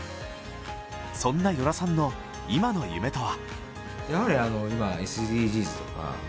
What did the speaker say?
そんな與良さんの今の夢とは？